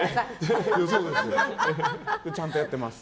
ちゃんとやってます。